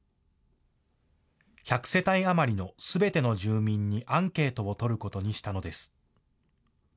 １００世帯余りのすべての住民にアンケートを取ることにしたのです。